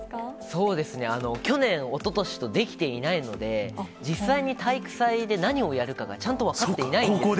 そうですね、去年、おととしとできていないので、実際に体育祭で何をやるかが、ちゃんと分かっていないんです。